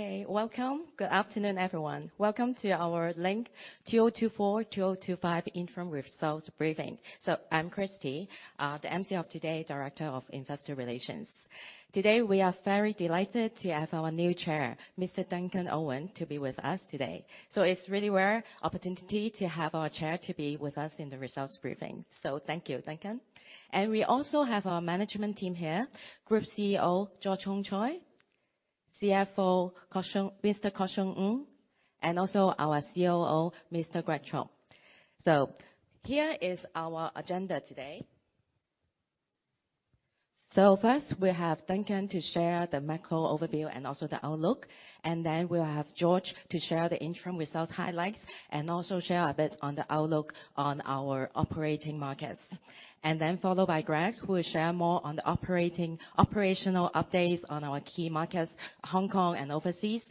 Okay, welcome. Good afternoon, everyone. Welcome to our Link 2024-2025 Interim Results Briefing. So, I'm Christie Ku, Director of Investor Relations and the MC of today's briefing. Today, we are very delighted to have our new Chair, Mr. Duncan Owen, to be with us today. So, it's a really rare opportunity to have our chair to be with us in the results briefing. So, thank you, Duncan. And we also have our management team here: Group CEO, George Hongchoy, CFO, Ng Kok Siong, and also our COO, Greg Chubb. So, here is our agenda today. So, first, we have Duncan to share the macro overview and also the outlook. And then we'll have George to share the interim results highlights and also share a bit on the outlook on our operating markets. And then followed by Greg, who will share more on the operational updates on our key markets, Hong Kong and overseas.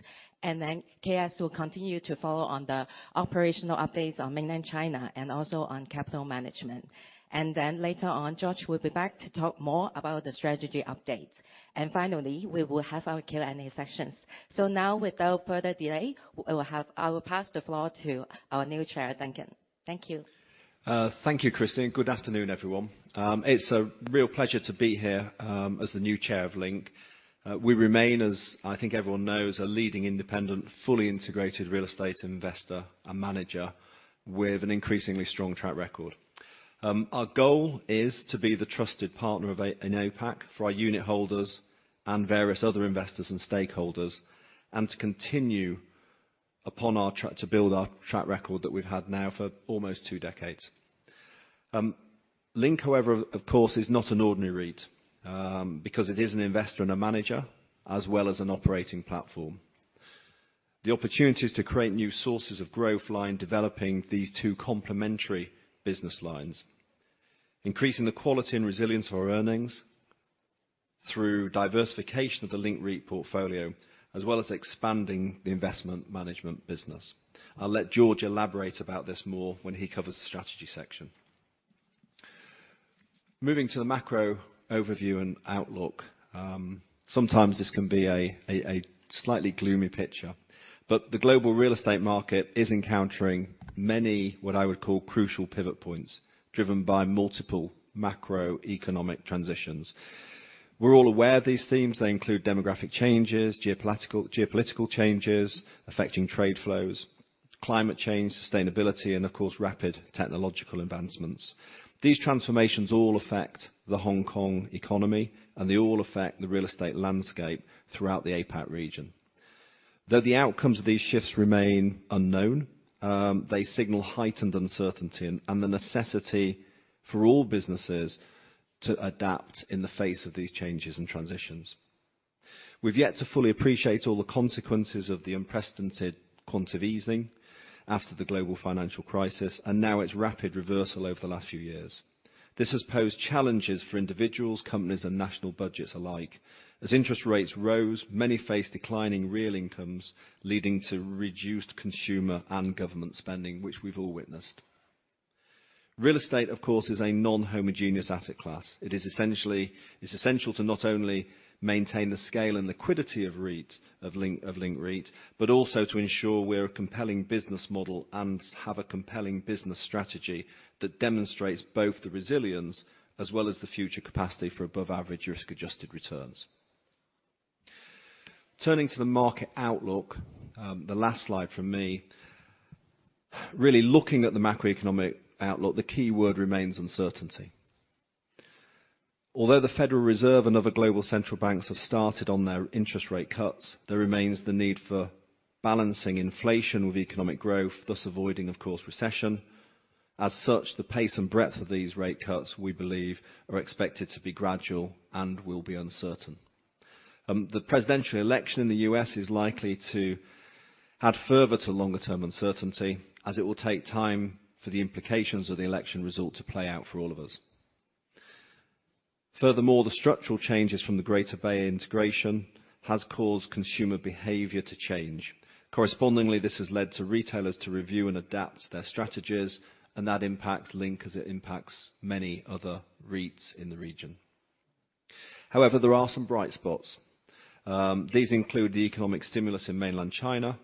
And then KS will continue to follow on the operational updates on mainland China and also on capital management. And then later on, George will be back to talk more about the strategy updates. And finally, we will have our Q&A sessions. So now, without further delay, we will pass the floor to our new Chair, Duncan. Thank you. Thank you, Christie. Good afternoon, everyone. It's a real pleasure to be here as the new Chair of Link. We remain, as I think everyone knows, a leading independent, fully integrated real estate investor and manager with an increasingly strong track record. Our goal is to be the trusted partner in APAC for our unit holders and various other investors and stakeholders, and to continue upon our track to build our track record that we've had now for almost two decades. Link, however, of course, is not an ordinary REIT because it is an investor and a manager as well as an operating platform. The opportunities to create new sources of growth lie in developing these two complementary business lines, increasing the quality and resilience of our earnings through diversification of the Link REIT portfolio, as well as expanding the investment management business. I'll let George elaborate about this more when he covers the strategy section. Moving to the macro overview and outlook, sometimes this can be a slightly gloomy picture, but the global real estate market is encountering many what I would call crucial pivot points driven by multiple macroeconomic transitions. We're all aware of these themes. They include demographic changes, geopolitical changes affecting trade flows, climate change, sustainability, and of course, rapid technological advancements. These transformations all affect the Hong Kong economy and they all affect the real estate landscape throughout the APAC region. Though the outcomes of these shifts remain unknown, they signal heightened uncertainty and the necessity for all businesses to adapt in the face of these changes and transitions. We've yet to fully appreciate all the consequences of the unprecedented quantitative easing after the global financial crisis and now its rapid reversal over the last few years. This has posed challenges for individuals, companies, and national budgets alike. As interest rates rose, many faced declining real incomes, leading to reduced consumer and government spending, which we've all witnessed. Real estate, of course, is a non-homogeneous asset class. It is essentially essential to not only maintain the scale and liquidity of REITs of Link REIT, but also to ensure we're a compelling business model and have a compelling business strategy that demonstrates both the resilience as well as the future capacity for above-average risk-adjusted returns. Turning to the market outlook, the last slide from me, really looking at the macroeconomic outlook, the key word remains uncertainty. Although the Federal Reserve and other global central banks have started on their interest rate cuts, there remains the need for balancing inflation with economic growth, thus avoiding, of course, recession. As such, the pace and breadth of these rate cuts, we believe, are expected to be gradual and will be uncertain. The presidential election in the U.S. is likely to add further to longer-term uncertainty as it will take time for the implications of the election result to play out for all of us. Furthermore, the structural changes from the Greater Bay Area have caused consumer behavior to change. Correspondingly, this has led to retailers to review and adapt their strategies, and that impacts Link as it impacts many other REITs in the region. However, there are some bright spots. These include the economic stimulus in mainland China,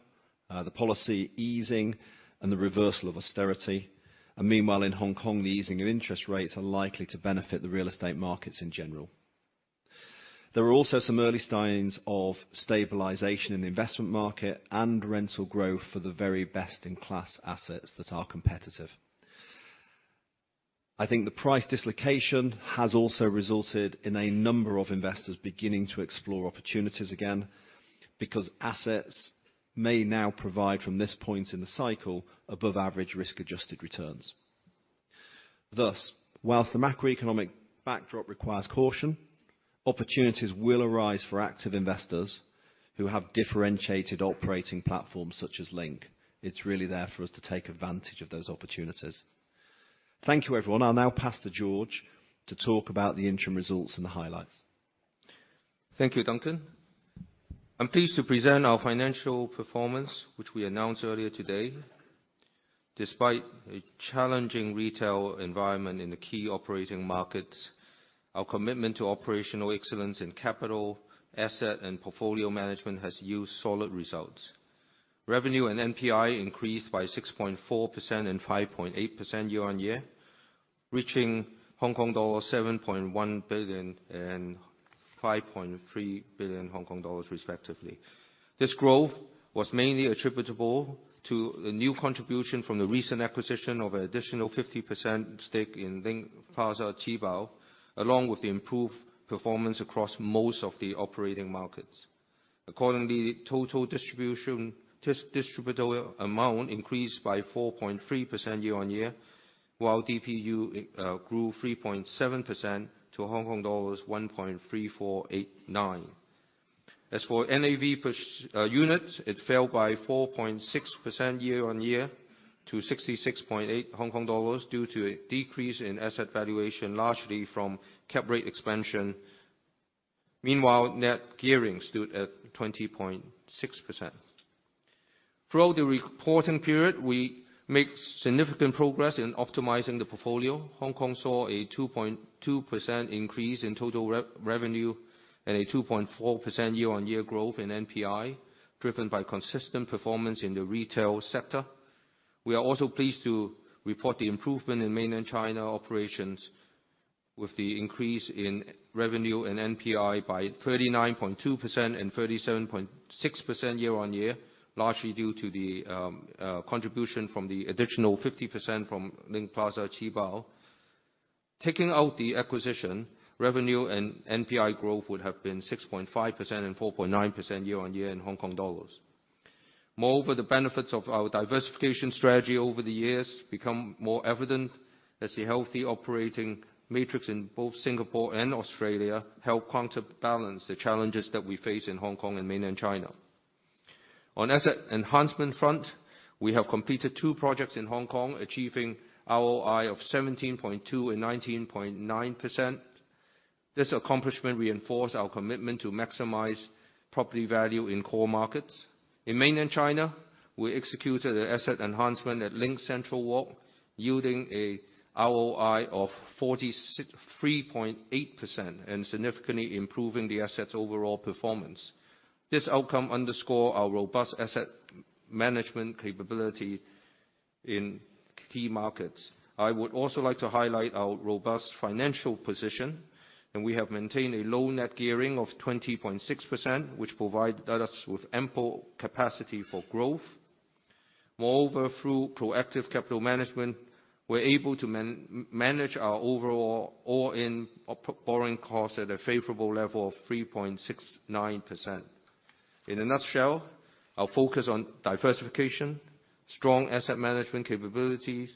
the policy easing, and the reversal of austerity. Meanwhile, in Hong Kong, the easing of interest rates are likely to benefit the real estate markets in general. There are also some early signs of stabilization in the investment market and rental growth for the very best-in-class assets that are competitive. I think the price dislocation has also resulted in a number of investors beginning to explore opportunities again because assets may now provide, from this point in the cycle, above-average risk-adjusted returns. Thus, whilst the macroeconomic backdrop requires caution, opportunities will arise for active investors who have differentiated operating platforms such as Link. It's really there for us to take advantage of those opportunities. Thank you, everyone. I'll now pass to George to talk about the interim results and the highlights. Thank you, Duncan. I'm pleased to present our financial performance, which we announced earlier today. Despite a challenging retail environment in the key operating markets, our commitment to operational excellence in capital, asset, and portfolio management has yielded solid results. Revenue and NPI increased by 6.4% and 5.8% year-on-year, reaching Hong Kong dollar 7.1 billion and 5.3 billion Hong Kong dollars, respectively. This growth was mainly attributable to a new contribution from the recent acquisition of an additional 50% stake in Link Plaza Qibao, along with the improved performance across most of the operating markets. Accordingly, the total distribution amount increased by 4.3% year-on-year, while DPU grew 3.7% to Hong Kong dollars 1.3489. As for NAV per unit, it fell by 4.6% year-on-year to 66.8 Hong Kong dollars due to a decrease in asset valuation largely from cap rate expansion. Meanwhile, net gearing stood at 20.6%. Throughout the reporting period, we made significant progress in optimizing the portfolio. Hong Kong saw a 2.2% increase in total revenue and a 2.4% year-on-year growth in NPI, driven by consistent performance in the retail sector. We are also pleased to report the improvement in mainland China operations with the increase in revenue and NPI by 39.2% and 37.6% year-on-year, largely due to the contribution from the additional 50% from Link Plaza Qibao. Taking out the acquisition, revenue and NPI growth would have been 6.5% and 4.9% year-on-year in HKD. Moreover, the benefits of our diversification strategy over the years become more evident as the healthy operating matrix in both Singapore and Australia helps counterbalance the challenges that we face in Hong Kong and mainland China. On the asset enhancement front, we have completed two projects in Hong Kong, achieving ROI of 17.2% and 19.9%. This accomplishment reinforced our commitment to maximize property value in core markets. In mainland China, we executed an asset enhancement at Link Central Walk, yielding an ROI of 43.8% and significantly improving the asset's overall performance. This outcome underscores our robust asset management capability in key markets. I would also like to highlight our robust financial position, and we have maintained a low net gearing of 20.6%, which provided us with ample capacity for growth. Moreover, through proactive capital management, we're able to manage our overall all-in borrowing costs at a favorable level of 3.69%. In a nutshell, our focus on diversification, strong asset management capabilities,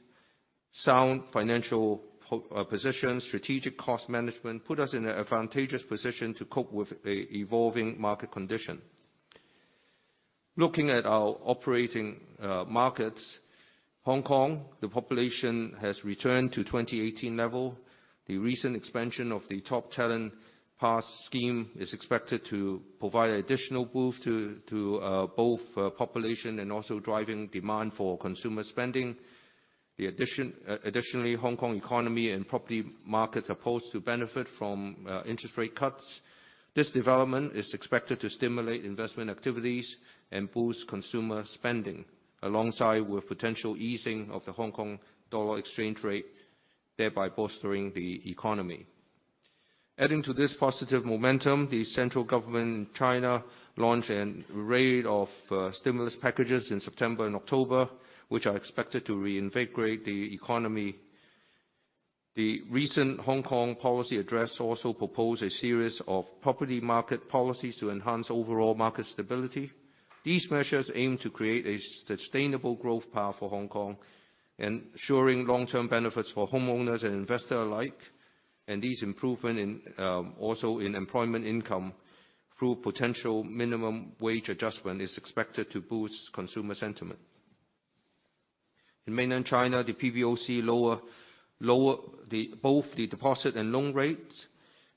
sound financial positions, and strategic cost management put us in an advantageous position to cope with the evolving market conditions. Looking at our operating markets, Hong Kong, the population has returned to 2018 levels. The recent expansion of the Top Talent Pass Scheme is expected to provide additional boost to both population and also drive demand for consumer spending. Additionally, the Hong Kong economy and property markets are poised to benefit from interest rate cuts. This development is expected to stimulate investment activities and boost consumer spending, alongside the potential easing of the Hong Kong dollar exchange rate, thereby bolstering the economy. Adding to this positive momentum, the central government in China launched a raft of stimulus packages in September and October, which are expected to reinvigorate the economy. The recent Hong Kong Policy Address also proposed a series of property market policies to enhance overall market stability. These measures aim to create a sustainable growth path for Hong Kong, ensuring long-term benefits for homeowners and investors alike. These improvements, also in employment income through potential minimum wage adjustment, are expected to boost consumer sentiment. In mainland China, the PBOC lowered both the deposit and loan rates.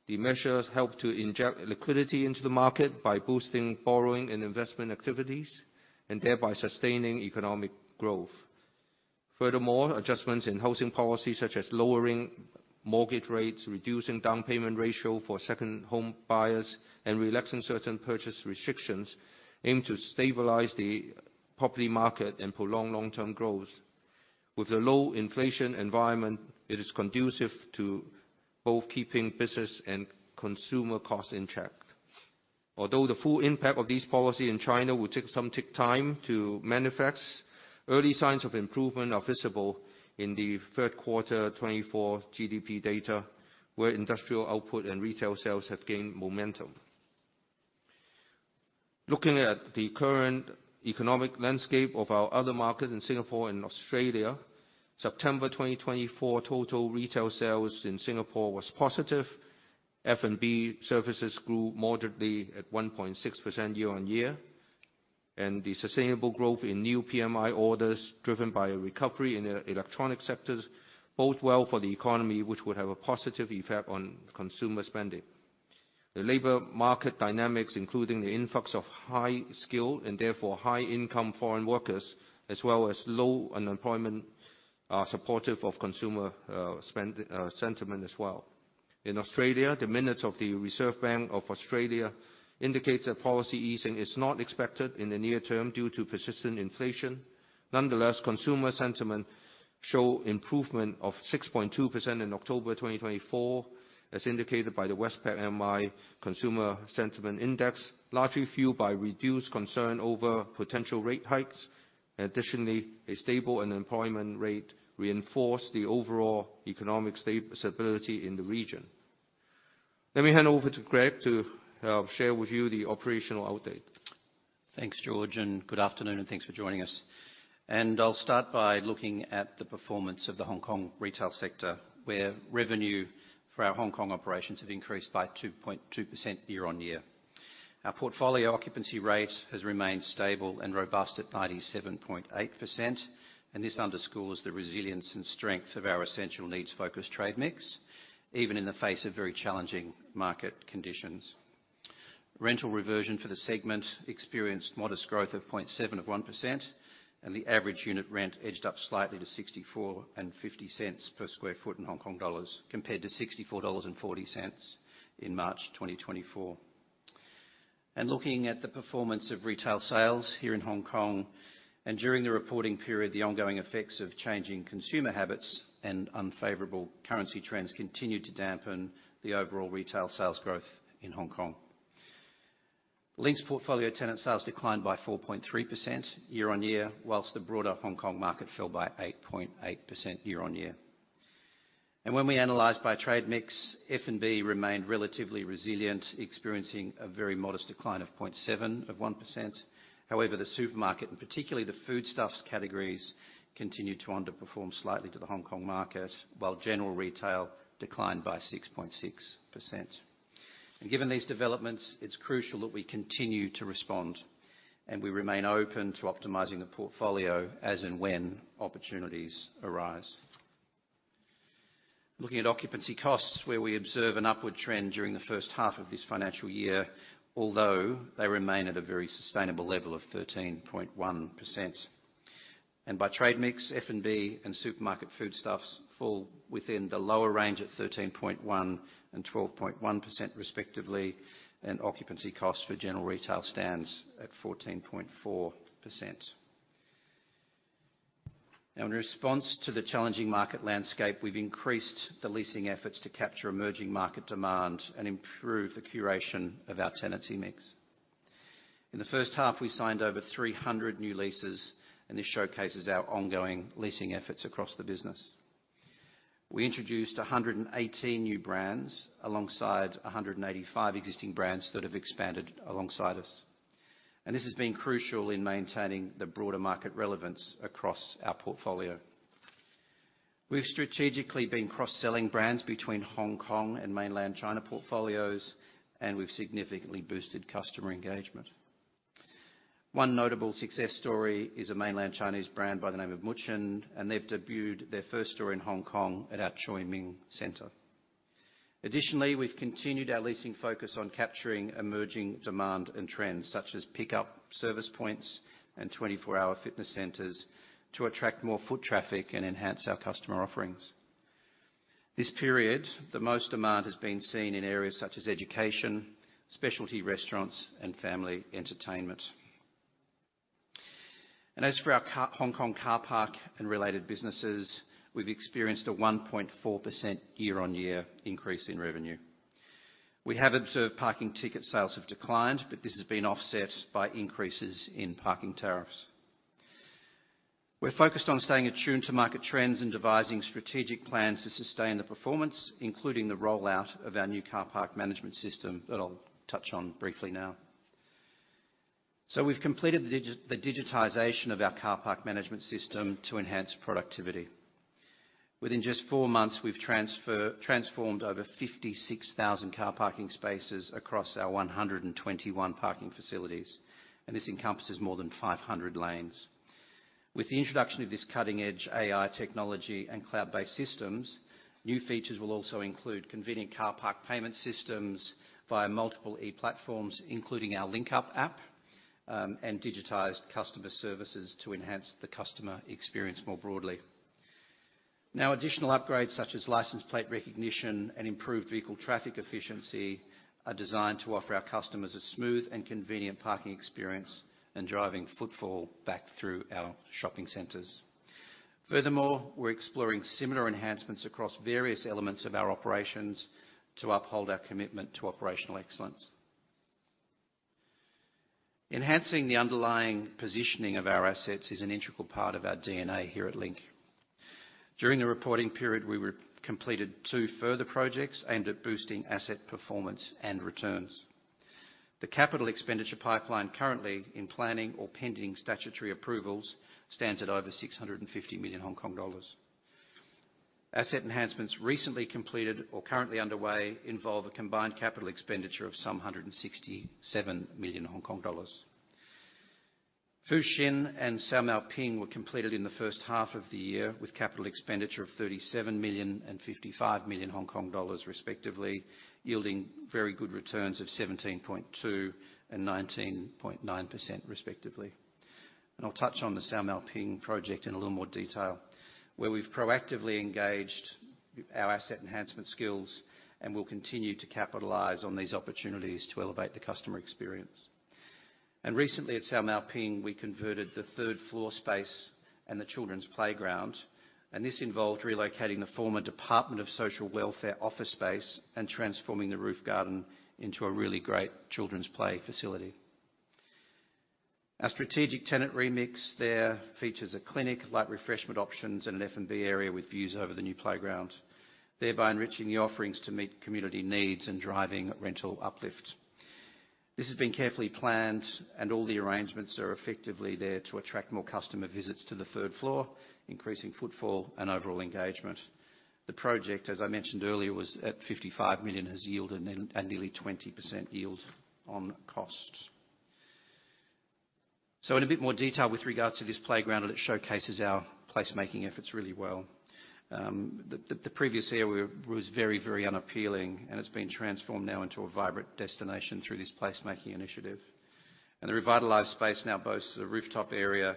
The measures helped to inject liquidity into the market by boosting borrowing and investment activities and thereby sustaining economic growth. Furthermore, adjustments in housing policies, such as lowering mortgage rates, reducing down payment ratios for second-home buyers, and relaxing certain purchase restrictions, aim to stabilize the property market and prolong long-term growth. With the low inflation environment, it is conducive to both keeping business and consumer costs in check. Although the full impact of these policies in China will take some time to manifest, early signs of improvement are visible in the third-quarter 2024 GDP data, where industrial output and retail sales have gained momentum. Looking at the current economic landscape of our other markets in Singapore and Australia, September 2024 total retail sales in Singapore was positive. F&B services grew moderately at 1.6% year-on-year, and the sustainable growth in new PMI orders, driven by a recovery in the electronic sectors, boded well for the economy, which would have a positive effect on consumer spending. The labor market dynamics, including the influx of high-skilled and therefore high-income foreign workers, as well as low unemployment, are supportive of consumer sentiment as well. In Australia, the minutes of the Reserve Bank of Australia indicate that policy easing is not expected in the near term due to persistent inflation. Nonetheless, consumer sentiment showed improvement of 6.2% in October 2024, as indicated by the Westpac-Melbourne Institute Consumer Sentiment Index, largely fueled by reduced concern over potential rate hikes. Additionally, a stable unemployment rate reinforced the overall economic stability in the region. Let me hand over to Greg to share with you the operational update. Thanks, George, and good afternoon, and thanks for joining us. I'll start by looking at the performance of the Hong Kong retail sector, where revenue for our Hong Kong operations have increased by 2.2% year-on-year. Our portfolio occupancy rate has remained stable and robust at 97.8%, and this underscores the resilience and strength of our essential needs-focused trade mix, even in the face of very challenging market conditions. Rental reversion for the segment experienced modest growth of 0.71%, and the average unit rent edged up slightly to 0.6450 per sq ft, compared to 0.6440 in March 2024. Looking at the performance of retail sales here in Hong Kong, during the reporting period, the ongoing effects of changing consumer habits and unfavorable currency trends continued to dampen the overall retail sales growth in Hong Kong. Link's portfolio tenant sales declined by 4.3% year-on-year, while the broader Hong Kong market fell by 8.8% year-on-year, and when we analyzed by trade mix, F&B remained relatively resilient, experiencing a very modest decline of 0.71%. However, the supermarket, and particularly the foodstuffs categories, continued to underperform slightly to the Hong Kong market, while general retail declined by 6.6%, and given these developments, it's crucial that we continue to respond, and we remain open to optimizing the portfolio as and when opportunities arise. Looking at occupancy costs, where we observe an upward trend during the first half of this financial year, although they remain at a very sustainable level of 13.1%, and by trade mix, F&B and supermarket foodstuffs fall within the lower range at 13.1% and 12.1%, respectively, and occupancy costs for general retail stands at 14.4%. Now, in response to the challenging market landscape, we've increased the leasing efforts to capture emerging market demand and improve the curation of our tenancy mix. In the first half, we signed over 300 new leases, and this showcases our ongoing leasing efforts across the business. We introduced 118 new brands alongside 185 existing brands that have expanded alongside us. And this has been crucial in maintaining the broader market relevance across our portfolio. We've strategically been cross-selling brands between Hong Kong and mainland China portfolios, and we've significantly boosted customer engagement. One notable success story is a mainland Chinese brand by the name of Muxin, and they've debuted their first store in Hong Kong at our Choi Ming Centre. Additionally, we've continued our leasing focus on capturing emerging demand and trends, such as pickup service points and 24-hour fitness centers, to attract more foot traffic and enhance our customer offerings. This period, the most demand has been seen in areas such as education, specialty restaurants, and family entertainment, and as for our Hong Kong car park and related businesses, we've experienced a 1.4% year-on-year increase in revenue. We have observed parking ticket sales have declined, but this has been offset by increases in parking tariffs. We're focused on staying attuned to market trends and devising strategic plans to sustain the performance, including the rollout of our new car park management system that I'll touch on briefly now, so we've completed the digitization of our car park management system to enhance productivity. Within just four months, we've transformed over 56,000 car parking spaces across our 121 parking facilities, and this encompasses more than 500 lanes. With the introduction of this cutting-edge AI technology and cloud-based systems, new features will also include convenient car park payment systems via multiple e-platforms, including our LinkUp app and digitized customer services to enhance the customer experience more broadly. Now, additional upgrades such as license plate recognition and improved vehicle traffic efficiency are designed to offer our customers a smooth and convenient parking experience and driving footfall back through our shopping centers. Furthermore, we're exploring similar enhancements across various elements of our operations to uphold our commitment to operational excellence. Enhancing the underlying positioning of our assets is an integral part of our DNA here at Link. During the reporting period, we completed two further projects aimed at boosting asset performance and returns. The capital expenditure pipeline currently in planning or pending statutory approvals stands at over 650 million Hong Kong dollars. Asset enhancements recently completed or currently underway involve a combined capital expenditure of 167 million Hong Kong dollars. Fu Shin and Sau Mau Ping were completed in the first half of the year with capital expenditure of 37 million and 55 million Hong Kong dollars, respectively, yielding very good returns of 17.2% and 19.9%, respectively, and I'll touch on the Sau Mau Ping project in a little more detail, where we've proactively engaged our asset enhancement skills and will continue to capitalize on these opportunities to elevate the customer experience, and recently at Sau Mau Ping, we converted the third-floor space and the children's playground, and this involved relocating the former Social Welfare Department office space and transforming the roof garden into a really great children's play facility. Our strategic tenant remix there features a clinic, light refreshment options, and an F&B area with views over the new playground, thereby enriching the offerings to meet community needs and driving rental uplift. This has been carefully planned, and all the arrangements are effectively there to attract more customer visits to the third floor, increasing footfall and overall engagement. The project, as I mentioned earlier, was at 55 million and has yielded a nearly 20% yield on costs, so in a bit more detail with regards to this playground, it showcases our placemaking efforts really well. The previous area was very, very unappealing, and it's been transformed now into a vibrant destination through this placemaking initiative, and the revitalized space now boasts a rooftop area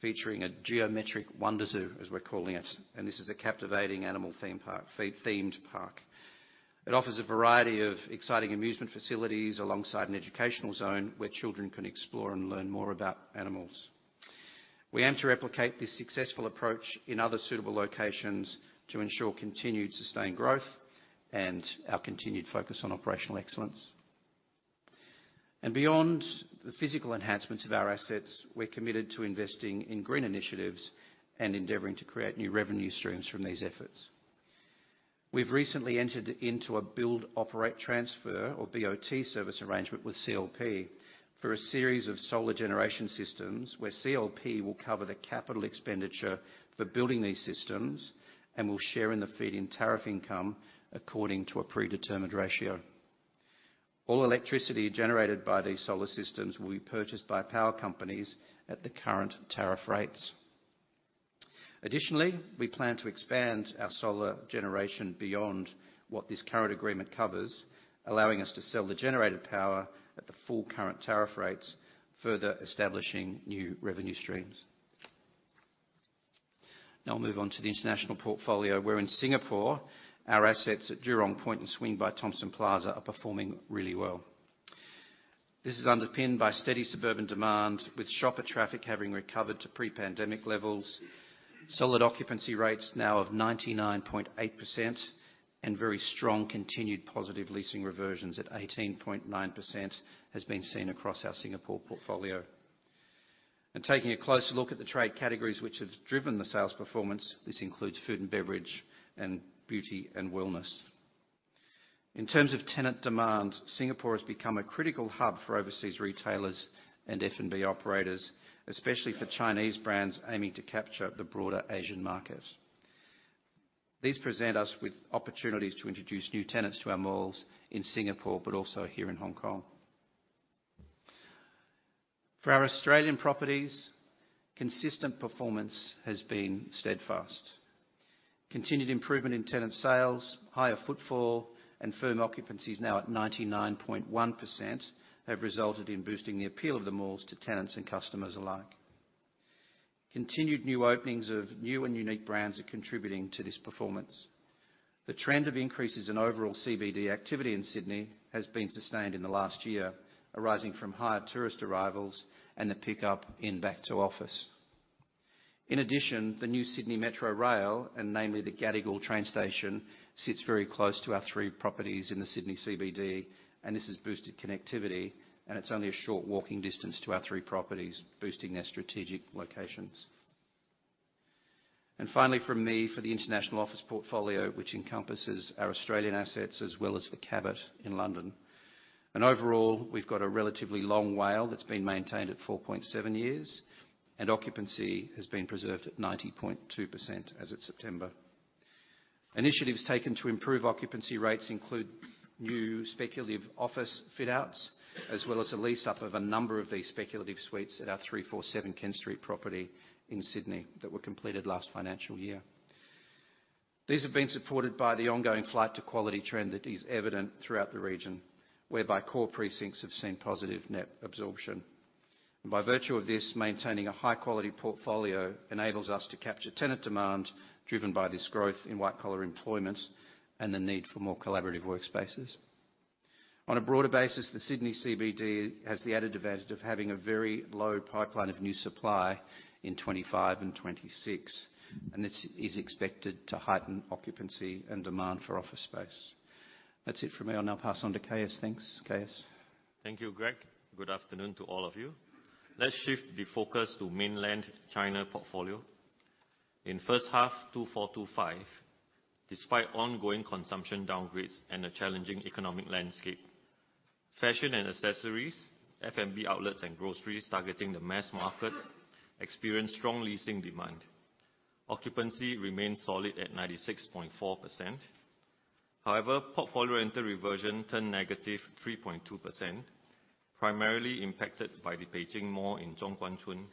featuring a geometric Wonder Zoo, as we're calling it, and this is a captivating animal-themed park. It offers a variety of exciting amusement facilities alongside an educational zone where children can explore and learn more about animals. We aim to replicate this successful approach in other suitable locations to ensure continued sustained growth and our continued focus on operational excellence, and beyond the physical enhancements of our assets, we're committed to investing in green initiatives and endeavoring to create new revenue streams from these efforts. We've recently entered into a Build-Operate-Transfer, or BOT, service arrangement with CLP for a series of solar generation systems where CLP will cover the capital expenditure for building these systems and will share in the feed-in tariff income according to a predetermined ratio. All electricity generated by these solar systems will be purchased by power companies at the current tariff rates. Additionally, we plan to expand our solar generation beyond what this current agreement covers, allowing us to sell the generated power at the full current tariff rates, further establishing new revenue streams. Now I'll move on to the international portfolio, where in Singapore, our assets at Jurong Point and Swing By Thomson Plaza are performing really well. This is underpinned by steady suburban demand, with shopper traffic having recovered to pre-pandemic levels. Solid occupancy rates now of 99.8% and very strong continued positive leasing reversions at 18.9% have been seen across our Singapore portfolio. And taking a closer look at the trade categories which have driven the sales performance, this includes food and beverage and beauty and wellness. In terms of tenant demand, Singapore has become a critical hub for overseas retailers and F&B operators, especially for Chinese brands aiming to capture the broader Asian market. These present us with opportunities to introduce new tenants to our malls in Singapore, but also here in Hong Kong. For our Australian properties, consistent performance has been steadfast. Continued improvement in tenant sales, higher footfall, and firm occupancies now at 99.1% have resulted in boosting the appeal of the malls to tenants and customers alike. Continued new openings of new and unique brands are contributing to this performance. The trend of increases in overall CBD activity in Sydney has been sustained in the last year, arising from higher tourist arrivals and the pickup in back-to-office. In addition, the new Sydney Metro Rail, and namely the Gadigal Railway Station, sits very close to our three properties in the Sydney CBD, and this has boosted connectivity, and it's only a short walking distance to our three properties, boosting their strategic locations. Finally, from me for the international office portfolio, which encompasses our Australian assets as well as The Cabot in London. Overall, we've got a relatively long WALE that's been maintained at 4.7 years, and occupancy has been preserved at 90.2% as of September. Initiatives taken to improve occupancy rates include new speculative office fit-outs, as well as a lease-up of a number of these speculative suites at our 347 Kent Street property in Sydney that were completed last financial year. These have been supported by the ongoing flight-to-quality trend that is evident throughout the region, whereby core precincts have seen positive net absorption. By virtue of this, maintaining a high-quality portfolio enables us to capture tenant demand driven by this growth in white-collar employment and the need for more collaborative workspaces. On a broader basis, the Sydney CBD has the added advantage of having a very low pipeline of new supply in 2025 and 2026, and this is expected to heighten occupancy and demand for office space. That's it from me. I'll now pass on to KS. Thanks, KS. Thank you, Greg. Good afternoon to all of you. Let's shift the focus to mainland China portfolio. In first half 2024/25, despite ongoing consumption downgrades and a challenging economic landscape, fashion and accessories, F&B outlets, and groceries targeting the mass market experienced strong leasing demand. Occupancy remained solid at 96.4%. However, portfolio rental reversion turned -3.2%, primarily impacted by Link Plaza Zhongguancun,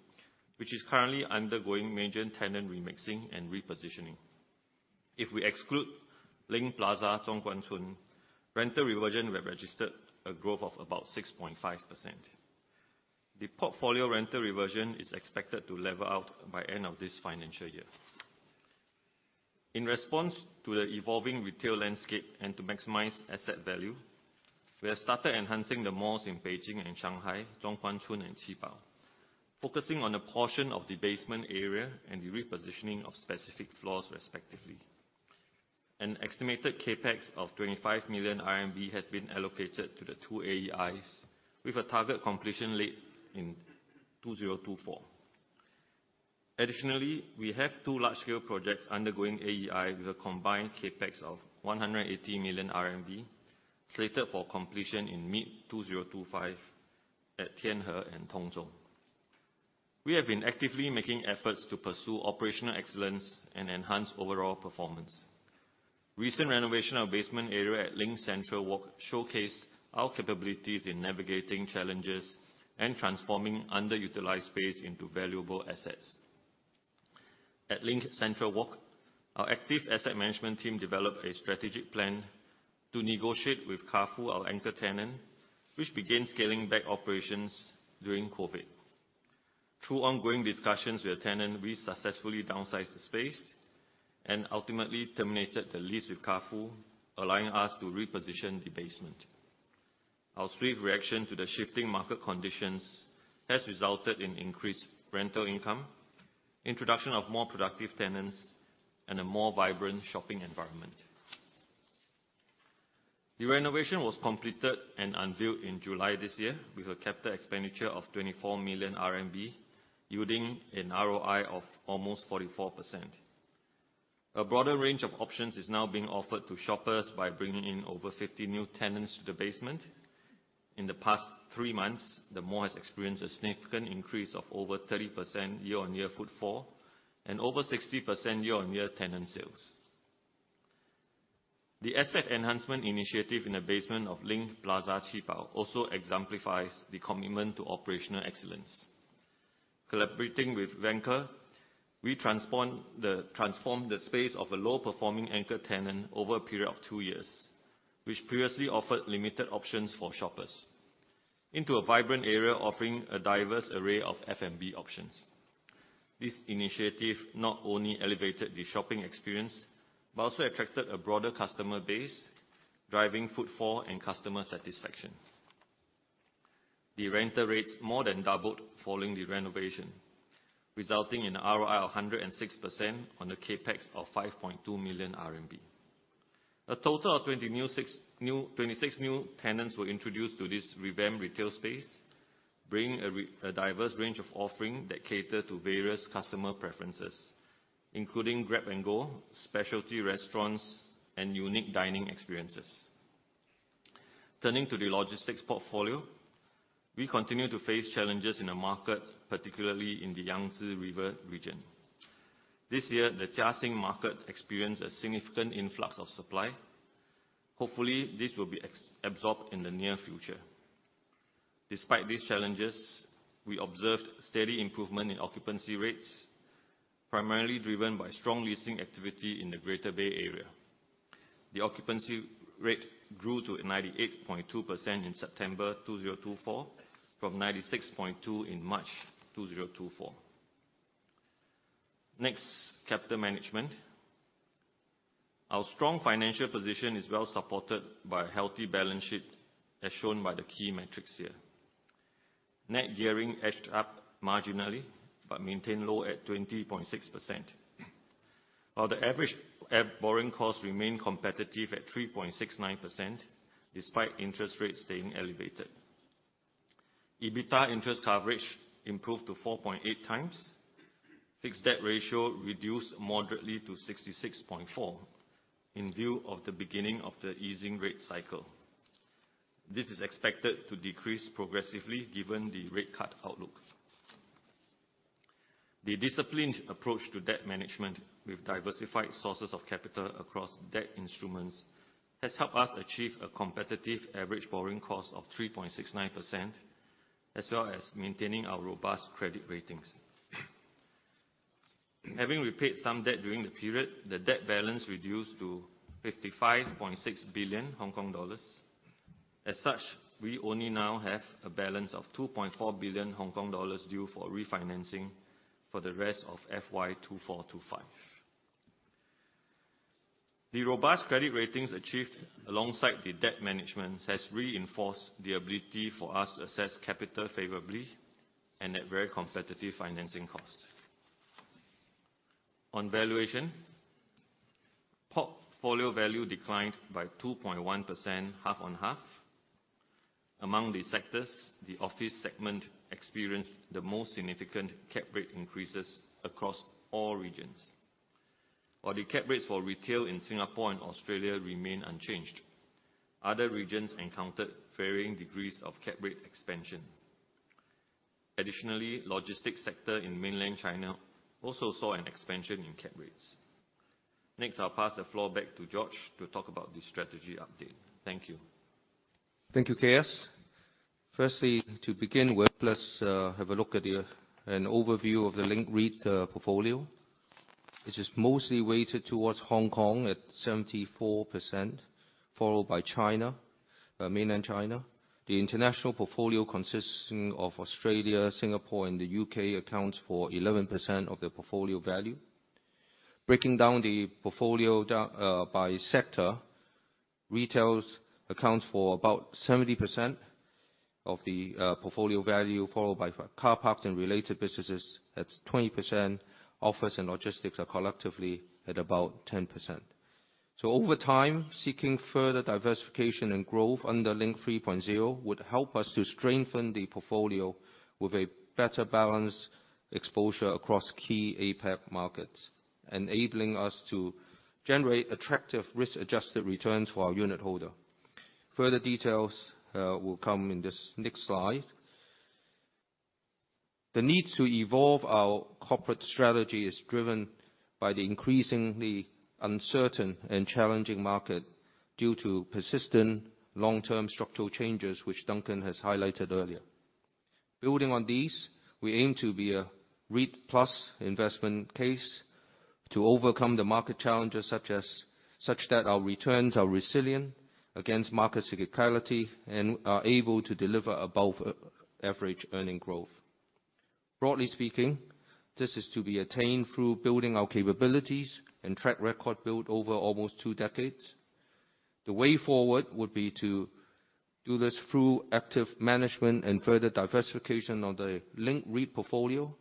which is currently undergoing major tenant remixing and repositioning. If we exclude Link Plaza Zhongguancun, rental reversion registered a growth of about 6.5%. The portfolio rental reversion is expected to level out by the end of this financial year. In response to the evolving retail landscape and to maximize asset value, we have started enhancing the malls in Beijing and Shanghai, Zhongguancun and Qibao, focusing on a portion of the basement area and the repositioning of specific floors, respectively. An estimated CapEx of HKD 25 million has been allocated to the two AEIs, with a target completion late in 2024. Additionally, we have two large-scale projects undergoing AEI with a combined CapEx of HKD 180 million slated for completion in mid-2025 at Tianhe and Tongzhou. We have been actively making efforts to pursue operational excellence and enhance overall performance. Recent renovation of basement area at Link Central Walk showcased our capabilities in navigating challenges and transforming underutilized space into valuable assets. At Link Central Walk, our active asset management team developed a strategic plan to negotiate with Carrefour, our anchor tenant, which began scaling back operations during COVID. Through ongoing discussions with a tenant, we successfully downsized the space and ultimately terminated the lease with Carrefour, allowing us to reposition the basement. Our swift reaction to the shifting market conditions has resulted in increased rental income, introduction of more productive tenants, and a more vibrant shopping environment. The renovation was completed and unveiled in July this year, with a capital expenditure of HKD 24 million yielding an ROI of almost 44%. A broader range of options is now being offered to shoppers by bringing in over 50 new tenants to the basement. In the past three months, the mall has experienced a significant increase of over 30% year-on-year footfall and over 60% year-on-year tenant sales. The asset enhancement initiative in the basement of Link Plaza Qibao also exemplifies the commitment to operational excellence. Collaborating with Vanke, we transformed the space of a low-performing anchor tenant over a period of two years, which previously offered limited options for shoppers, into a vibrant area offering a diverse array of F&B options. This initiative not only elevated the shopping experience but also attracted a broader customer base, driving footfall and customer satisfaction. The rental rates more than doubled following the renovation, resulting in an ROI of 106% on a CapEx of HKD 5.2 million. A total of 26 new tenants were introduced to this revamped retail space, bringing a diverse range of offerings that cater to various customer preferences, including grab-and-go, specialty restaurants, and unique dining experiences. Turning to the logistics portfolio, we continue to face challenges in the market, particularly in the Yangtze River region. This year, the Jiaxing market experienced a significant influx of supply. Hopefully, this will be absorbed in the near future. Despite these challenges, we observed steady improvement in occupancy rates, primarily driven by strong leasing activity in the Greater Bay Area. The occupancy rate grew to 98.2% in September 2024 from 96.2% in March 2024. Next, capital management. Our strong financial position is well supported by a healthy balance sheet, as shown by the key metrics here. Net gearing edged up marginally but maintained low at 20.6%, while the average borrowing cost remained competitive at 3.69% despite interest rates staying elevated. EBITDA interest coverage improved to 4.8 times. Fixed debt ratio reduced moderately to 66.4% in view of the beginning of the easing rate cycle. This is expected to decrease progressively given the rate cut outlook. The disciplined approach to debt management, with diversified sources of capital across debt instruments, has helped us achieve a competitive average borrowing cost of 3.69%, as well as maintaining our robust credit ratings. Having repaid some debt during the period, the debt balance reduced to 55.6 billion Hong Kong dollars. As such, we only now have a balance of 2.4 billion Hong Kong dollars due for refinancing for the rest of FY 2425. The robust credit ratings achieved alongside the debt management have reinforced the ability for us to assess capital favorably and at very competitive financing costs. On valuation, portfolio value declined by 2.1%, half on half. Among the sectors, the office segment experienced the most significant cap rate increases across all regions, while the cap rates for retail in Singapore and Australia remained unchanged. Other regions encountered varying degrees of cap rate expansion. Additionally, the logistics sector in mainland China also saw an expansion in cap rates. Next, I'll pass the floor back to George to talk about the strategy update. Thank you. Thank you, KS. Firstly, to begin, we'll have a look at an overview of the Link REIT portfolio. It is mostly weighted towards Hong Kong at 74%, followed by China, mainland China. The international portfolio consisting of Australia, Singapore, and the U.K. accounts for 11% of the portfolio value. Breaking down the portfolio by sector, retail accounts for about 70% of the portfolio value, followed by car parks and related businesses at 20%. Office and logistics are collectively at about 10%. So, over time, seeking further diversification and growth under Link 3.0 would help us to strengthen the portfolio with a better balanced exposure across key APEC markets, enabling us to generate attractive risk-adjusted returns for our unit holder. Further details will come in this next slide. The need to evolve our corporate strategy is driven by the increasingly uncertain and challenging market due to persistent long-term structural changes, which Duncan has highlighted earlier. Building on these, we aim to be a REIT plus investment case to overcome the market challenges such that our returns are resilient against market cyclicality and are able to deliver above-average earnings growth. Broadly speaking, this is to be attained through building our capabilities and track record built over almost two decades. The way forward would be to do this through active management and further diversification of the Link REIT portfolio.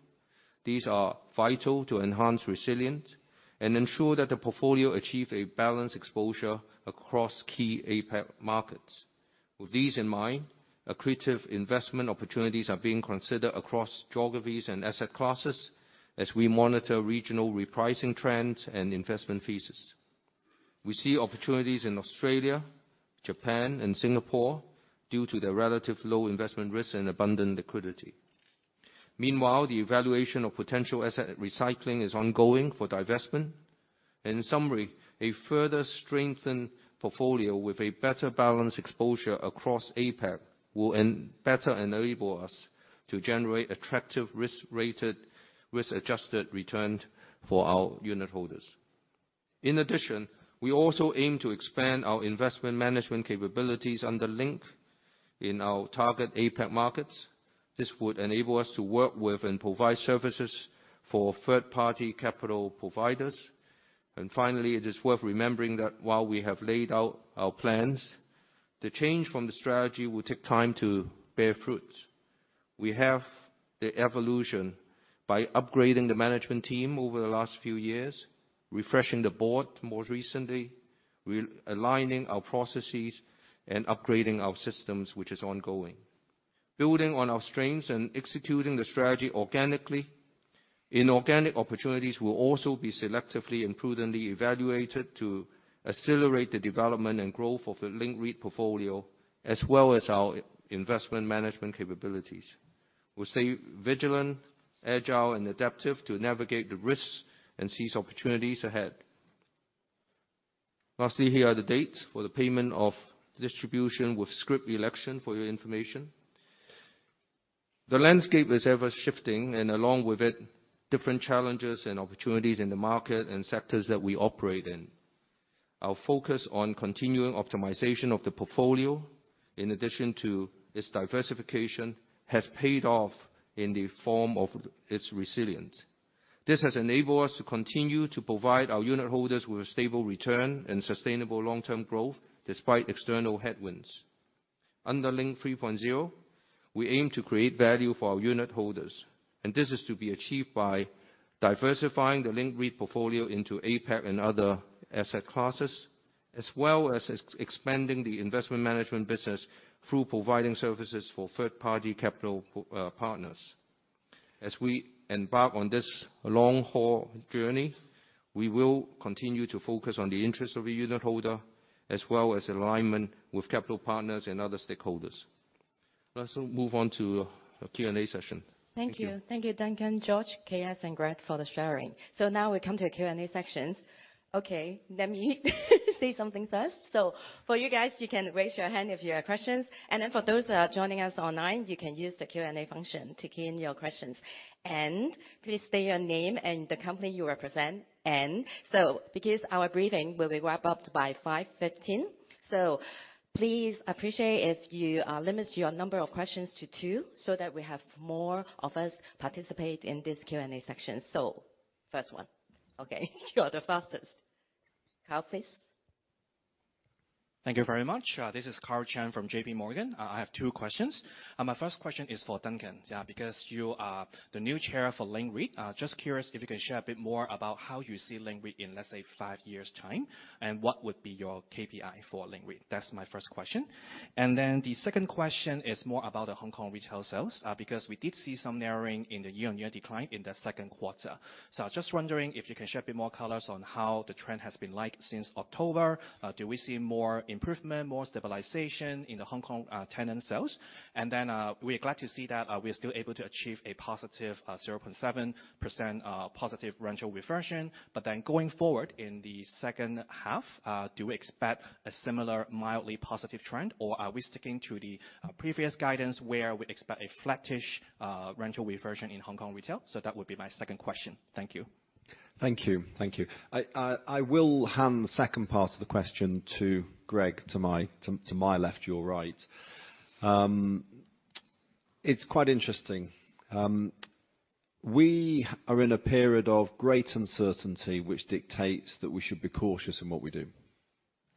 These are vital to enhance resilience and ensure that the portfolio achieves a balanced exposure across key APAC markets. With these in mind, accretive investment opportunities are being considered across geographies and asset classes as we monitor regional repricing trends and investment phases. We see opportunities in Australia, Japan, and Singapore due to their relative low investment risk and abundant liquidity. Meanwhile, the evaluation of potential asset recycling is ongoing for divestment. In summary, a further strengthened portfolio with a better balanced exposure across APAC will better enable us to generate attractive risk-adjusted returns for our unit holders. In addition, we also aim to expand our investment management capabilities under Link in our target APAC markets. This would enable us to work with and provide services for third-party capital providers. And finally, it is worth remembering that while we have laid out our plans, the change from the strategy will take time to bear fruit. We have the evolution by upgrading the management team over the last few years, refreshing the board more recently, aligning our processes, and upgrading our systems, which is ongoing. Building on our strengths and executing the strategy organically, inorganic opportunities will also be selectively and prudently evaluated to accelerate the development and growth of the Link REIT portfolio, as well as our investment management capabilities. We'll stay vigilant, agile, and adaptive to navigate the risks and seize opportunities ahead. Lastly, here are the dates for the payment of distribution with scrip election for your information. The landscape is ever-shifting, and along with it, different challenges and opportunities in the market and sectors that we operate in. Our focus on continuing optimization of the portfolio, in addition to its diversification, has paid off in the form of its resilience. This has enabled us to continue to provide our unit holders with a stable return and sustainable long-term growth despite external headwinds. Under Link 3.0, we aim to create value for our unit holders, and this is to be achieved by diversifying the Link REIT portfolio into APAC and other asset classes, as well as expanding the investment management business through providing services for third-party capital partners. As we embark on this long-haul journey, we will continue to focus on the interests of the unit holder, as well as alignment with capital partners and other stakeholders. Let's move on to the Q&A session. Thank you. Thank you, Duncan, George, KS, and Greg for the sharing. So now we come to the Q&A section. Okay, let me say something first. So for you guys, you can raise your hand if you have questions. And then for those joining us online, you can use the Q&A function to submit your questions. And please state your name and the company you represent. And so because our briefing will be wrapped up by 5:15 P.M., so please appreciate if you limit your number of questions to two so that we have more of us participate in this Q&A section. So first one. Okay, you are the fastest. Karl, please. Thank you very much. This is Karl Chan from JPMorgan. I have two questions. My first question is for Duncan, yeah, because you are the new chair for Link REIT. Just curious if you can share a bit more about how you see Link REIT in, let's say, five years' time, and what would be your KPI for Link REIT. That's my first question. And then the second question is more about the Hong Kong retail sales, because we did see some narrowing in the year-on-year decline in the second quarter. So I'm just wondering if you can share a bit more colors on how the trend has been like since October. Do we see more improvement, more stabilization in the Hong Kong tenant sales? And then we are glad to see that we are still able to achieve a positive 0.7% rental reversion. But then going forward in the second half, do we expect a similar mildly positive trend, or are we sticking to the previous guidance where we expect a flattish rental reversion in Hong Kong retail? So that would be my second question. Thank you. Thank you. I will hand the second part of the question to Greg, to my left, your right. It's quite interesting. We are in a period of great uncertainty, which dictates that we should be cautious in what we do.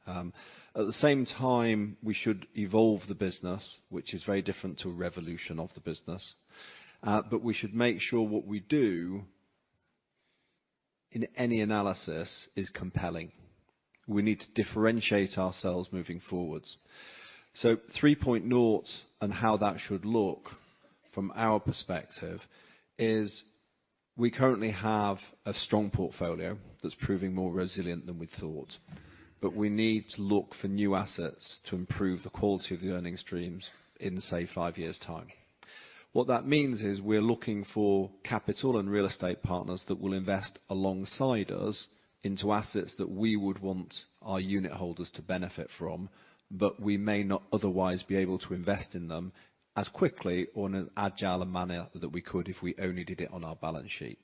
At the same time, we should evolve the business, which is very different to a revolution of the business. But we should make sure what we do, in any analysis, is compelling. We need to differentiate ourselves moving forward. So 3.0 on how that should look from our perspective is we currently have a strong portfolio that's proving more resilient than we thought, but we need to look for new assets to improve the quality of the earnings streams in, say, five years' time. What that means is we're looking for capital and real estate partners that will invest alongside us into assets that we would want our unit holders to benefit from, but we may not otherwise be able to invest in them as quickly or in an agile manner that we could if we only did it on our balance sheet.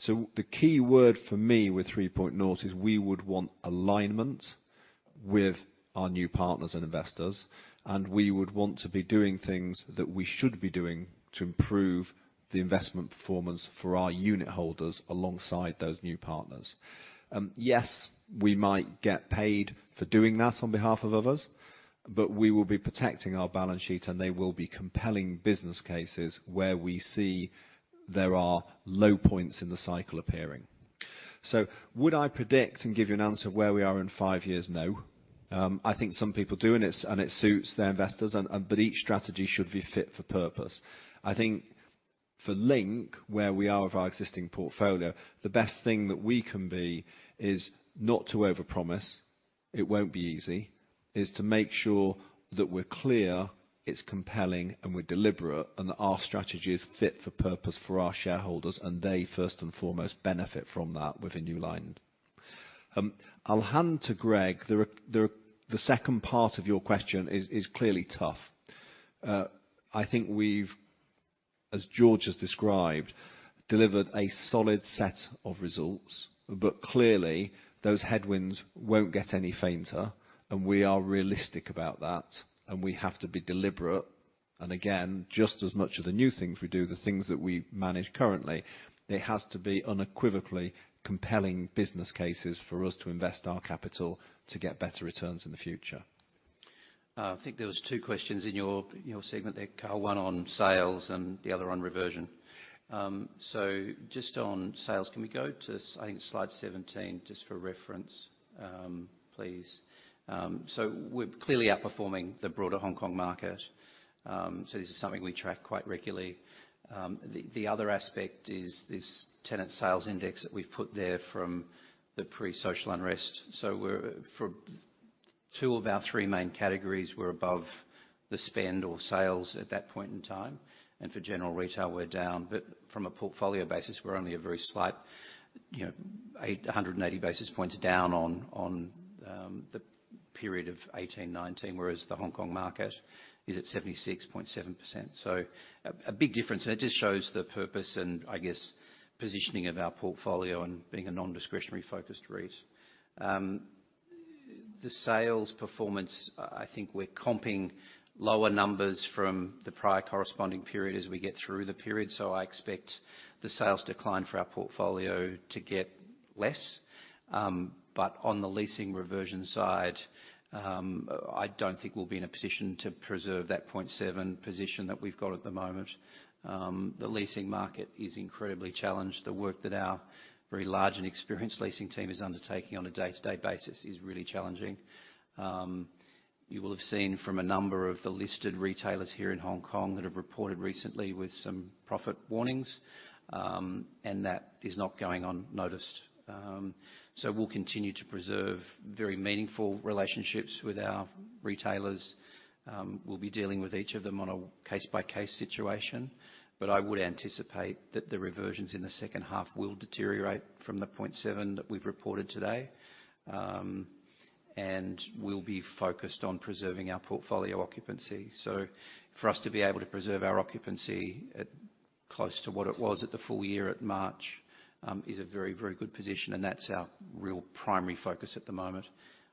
So the key word for me with 3.0 is we would want alignment with our new partners and investors, and we would want to be doing things that we should be doing to improve the investment performance for our unit holders alongside those new partners. Yes, we might get paid for doing that on behalf of others, but we will be protecting our balance sheet, and they will be compelling business cases where we see there are low points in the cycle appearing. So would I predict and give you an answer where we are in five years? No. I think some people do, and it suits their investors, but each strategy should be fit for purpose. I think for Link, where we are with our existing portfolio, the best thing that we can be is not to overpromise. It won't be easy, is to make sure that we're clear, it's compelling, and we're deliberate, and that our strategy is fit for purpose for our shareholders, and they first and foremost benefit from that with a new line. I'll hand to Greg. The second part of your question is clearly tough. I think we've, as George has described, delivered a solid set of results, but clearly those headwinds won't get any fainter, and we are realistic about that, and we have to be deliberate. And again, just as much of the new things we do, the things that we manage currently, it has to be unequivocally compelling business cases for us to invest our capital to get better returns in the future. I think there were two questions in your segment there, Karl, one on sales and the other on reversion. So just on sales, can we go to, I think, slide 17 just for reference, please? So we're clearly outperforming the broader Hong Kong market. So this is something we track quite regularly. The other aspect is this tenant sales index that we've put there from the pre-social unrest. So for two of our three main categories, we're above the spend or sales at that point in time. And for general retail, we're down. But from a portfolio basis, we're only a very slight 180 basis points down on the period of 2018, 2019, whereas the Hong Kong market is at 76.7%. So a big difference, and it just shows the purpose and, I guess, positioning of our portfolio and being a non-discretionary-focused REIT. The sales performance, I think we're comping lower numbers from the prior corresponding period as we get through the period. So I expect the sales decline for our portfolio to get less. But on the leasing reversion side, I don't think we'll be in a position to preserve that 0.7 position that we've got at the moment. The leasing market is incredibly challenged. The work that our very large and experienced leasing team is undertaking on a day-to-day basis is really challenging. You will have seen from a number of the listed retailers here in Hong Kong that have reported recently with some profit warnings, and that is not going unnoticed. So we'll continue to preserve very meaningful relationships with our retailers. We'll be dealing with each of them on a case-by-case situation. But I would anticipate that the reversions in the second half will deteriorate from the 0.7 that we've reported today, and we'll be focused on preserving our portfolio occupancy. So for us to be able to preserve our occupancy close to what it was at the full year at March is a very, very good position, and that's our real primary focus at the moment.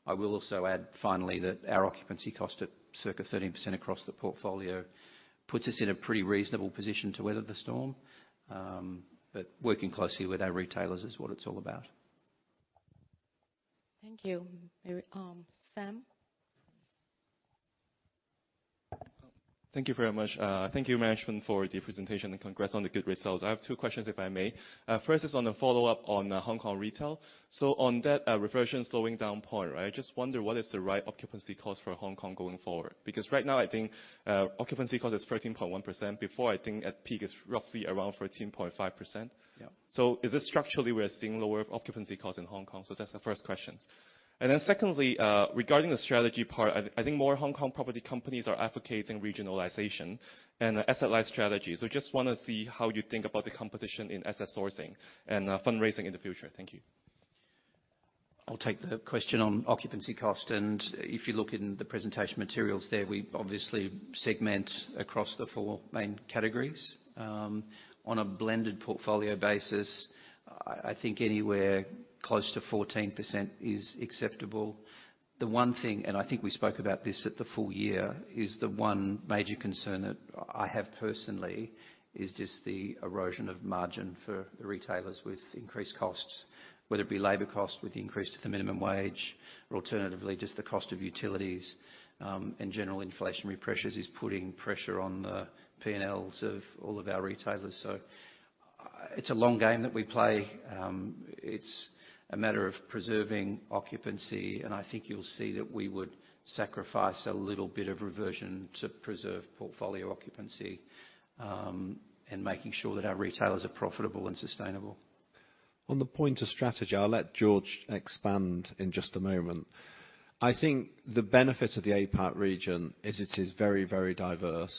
I will also add, finally, that our occupancy cost at circa 13% across the portfolio puts us in a pretty reasonable position to weather the storm. But working closely with our retailers is what it's all about. Thank you. Sam. Thank you very much. Thank you, Management, for the presentation and congrats on the good results. I have two questions, if I may. First is on the follow-up on Hong Kong retail. So on that reversion slowing down point, right, I just wonder what is the right occupancy cost for Hong Kong going forward? Because right now, I think occupancy cost is 13.1%. Before, I think at peak is roughly around 13.5%. So is this structurally we're seeing lower occupancy costs in Hong Kong? So that's the first question. And then secondly, regarding the strategy part, I think more Hong Kong property companies are advocating regionalization and asset-like strategies. So just want to see how you think about the competition in asset sourcing and fundraising in the future. Thank you. I'll take the question on occupancy cost. And if you look in the presentation materials there, we obviously segment across the four main categories. On a blended portfolio basis, I think anywhere close to 14% is acceptable. The one thing, and I think we spoke about this at the full year, is the one major concern that I have personally is just the erosion of margin for the retailers with increased costs, whether it be labor costs with the increase to the minimum wage, or alternatively just the cost of utilities and general inflationary pressures is putting pressure on the P&Ls of all of our retailers. So it's a long game that we play. It's a matter of preserving occupancy, and I think you'll see that we would sacrifice a little bit of reversion to preserve portfolio occupancy and making sure that our retailers are profitable and sustainable. On the point of strategy, I'll let George expand in just a moment. I think the benefit of the APAC region is it is very, very diverse.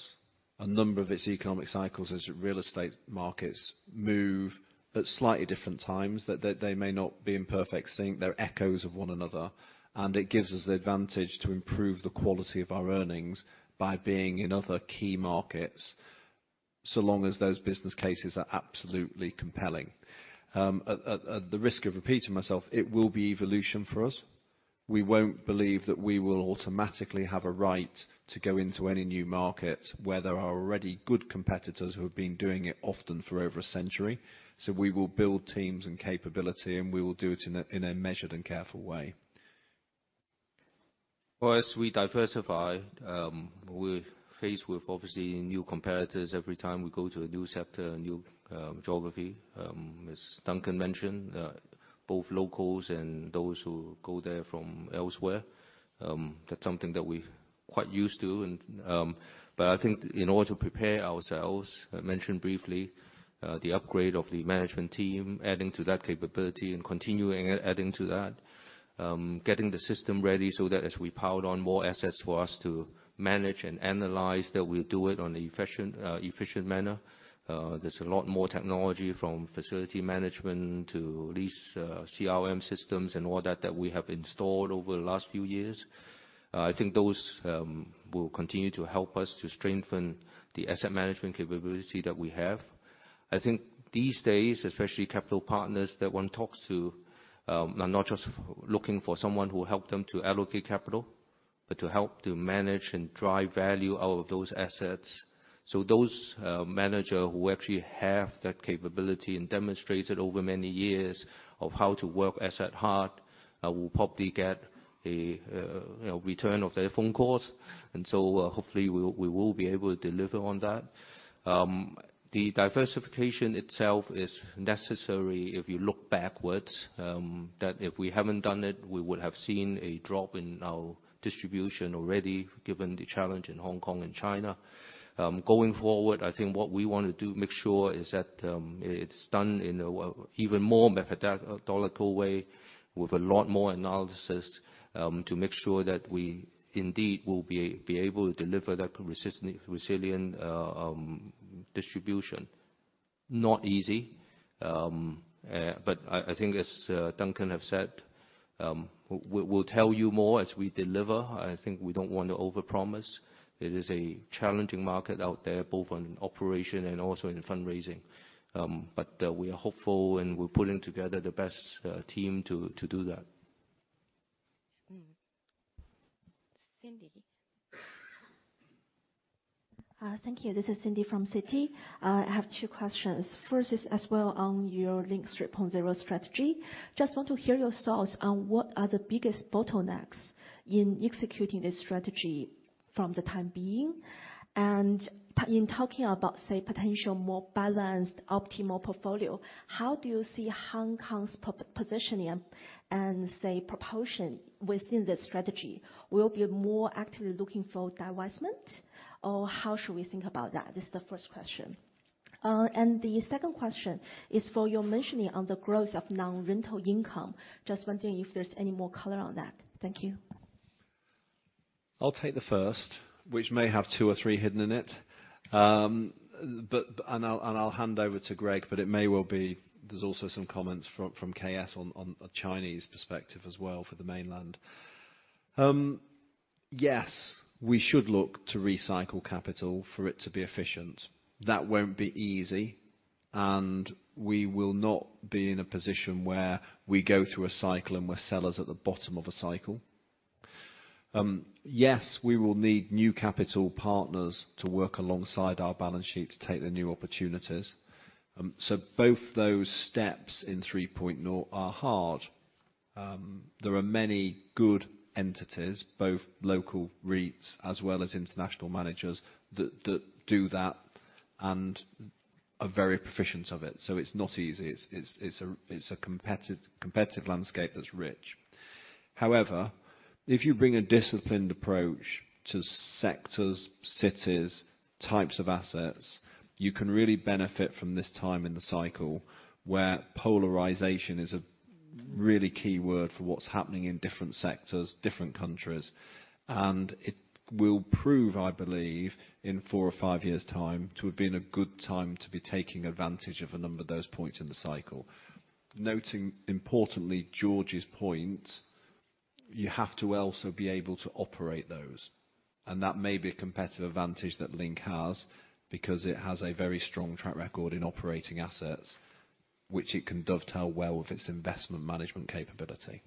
A number of its economic cycles as real estate markets move at slightly different times, that they may not be in perfect sync, they're echoes of one another, and it gives us the advantage to improve the quality of our earnings by being in other key markets so long as those business cases are absolutely compelling. At the risk of repeating myself, it will be evolution for us. We won't believe that we will automatically have a right to go into any new markets where there are already good competitors who have been doing it often for over a century. So we will build teams and capability, and we will do it in a measured and careful way. As we diversify, we're faced with, obviously, new competitors every time we go to a new sector, a new geography. As Duncan mentioned, both locals and those who go there from elsewhere, that's something that we're quite used to. But I think in order to prepare ourselves, I mentioned briefly the upgrade of the management team, adding to that capability and continuing adding to that, getting the system ready so that as we piled on more assets for us to manage and analyze, that we'll do it on an efficient manner. There's a lot more technology from facility management to lease CRM systems and all that that we have installed over the last few years. I think those will continue to help us to strengthen the asset management capability that we have. I think these days, especially capital partners that one talks to are not just looking for someone who helped them to allocate capital, but to help to manage and drive value out of those assets. So those managers who actually have that capability and demonstrated over many years of how to work asset hard will probably get a return of their phone calls. And so hopefully we will be able to deliver on that. The diversification itself is necessary if you look backwards, that if we haven't done it, we would have seen a drop in our distribution already given the challenge in Hong Kong and China. Going forward, I think what we want to do, make sure is that it's done in an even more methodical way with a lot more analysis to make sure that we indeed will be able to deliver that resilient distribution. Not easy, but I think, as Duncan has said, we'll tell you more as we deliver. I think we don't want to overpromise. It is a challenging market out there, both on operation and also in fundraising. But we are hopeful and we're putting together the best team to do that. Cindy. Thank you. This is Cindy Li from Citi. I have two questions. First is as well on your Link 3.0 strategy. Just want to hear your thoughts on what are the biggest bottlenecks in executing this strategy for the time being. And in talking about, say, potential more balanced, optimal portfolio, how do you see Hong Kong's positioning and, say, proportion within this strategy? Will we be more actively looking for divestment, or how should we think about that? This is the first question. And the second question is for your mentioning on the growth of non-rental income. Just wondering if there's any more color on that. Thank you. I'll take the first, which may have two or three hidden in it. And I'll hand over to Greg, but it may well be there's also some comments from KS on a Chinese perspective as well for the mainland. Yes, we should look to recycle capital for it to be efficient. That won't be easy, and we will not be in a position where we go through a cycle and we're sellers at the bottom of a cycle. Yes, we will need new capital partners to work alongside our balance sheet to take the new opportunities. So both those steps in 3.0 are hard. There are many good entities, both local REITs as well as international managers that do that and are very proficient of it. So it's not easy. It's a competitive landscape that's rich. However, if you bring a disciplined approach to sectors, cities, types of assets, you can really benefit from this time in the cycle where polarization is a really key word for what's happening in different sectors, different countries. And it will prove, I believe, in four or five years' time to have been a good time to be taking advantage of a number of those points in the cycle. Noting importantly George's point, you have to also be able to operate those. And that may be a competitive advantage that Link has because it has a very strong track record in operating assets, which it can dovetail well with its investment management capability.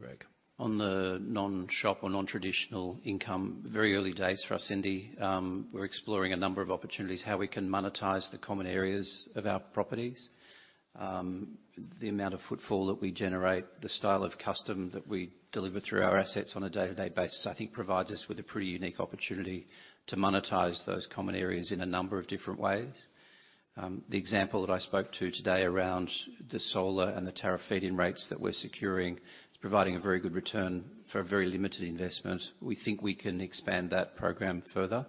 Greg. On the non-shop or non-traditional income, very early days for us, Cindy. We're exploring a number of opportunities, how we can monetize the common areas of our properties, the amount of footfall that we generate, the style of customer that we deliver through our assets on a day-to-day basis. I think provides us with a pretty unique opportunity to monetize those common areas in a number of different ways. The example that I spoke to today around the solar and the feed-in tariff rates that we're securing is providing a very good return for a very limited investment. We think we can expand that program further.